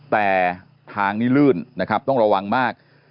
แต่ทางนี้ลื่นนะครับต้องระวังมาก